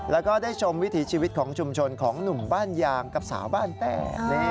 แล้วก็ได้ชมวิถีชีวิตของชุมชนของหนุ่มบ้านยางกับสาวบ้านแต่